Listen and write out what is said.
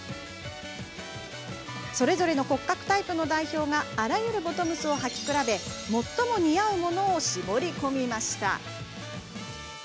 それぞれの骨格タイプの代表があらゆるボトムスをはき比べ最も似合うものを絞り込みました。